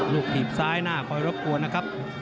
ถีบซ้ายหน้าคอยรบกวนนะครับ